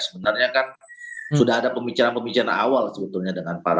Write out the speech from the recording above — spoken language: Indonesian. sebenarnya kan sudah ada pembicaraan pembicaraan awal sebetulnya dengan para